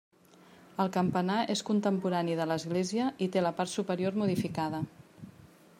El campanar és contemporani de l'església i té la part superior modificada.